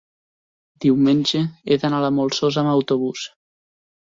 diumenge he d'anar a la Molsosa amb autobús.